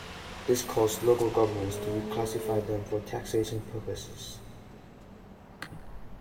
This caused local governments to reclassify them for taxation purposes.